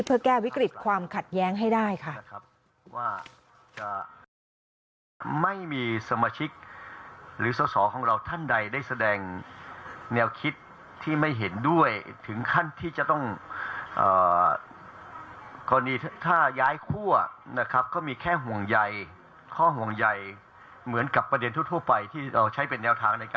เพื่อแก้วิกฤตความขัดแย้งให้ได้ค่ะ